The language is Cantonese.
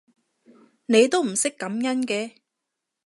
你都唔識感恩嘅